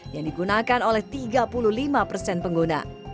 yang digunakan oleh tiga puluh lima persen pengguna